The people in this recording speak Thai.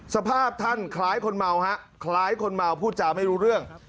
สภาพท่านคล้ายคนเมาฮะคล้ายคนเมาพูดจาไม่รู้เรื่อง